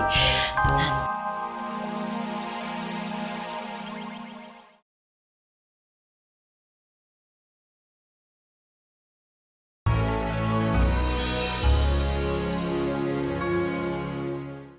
wah enak nih